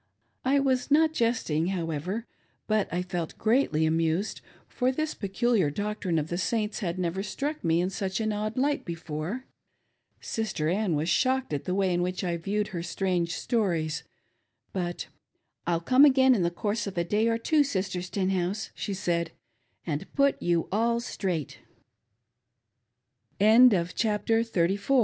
I was not jesting, however, but I felt greatly amused, for this peculiar doctrine of the Saints had never struck me in such an odd light before. Sister Ann was shocked at the way in which I viewed her strange stories, but " I'll come again in the course of a day or two, Sister Sten house," she said, "and put y